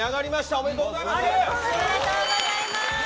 おめでとうございます。